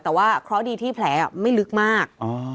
แต่ว่าเคราะห์ดีที่แผลไม่ลึกมาก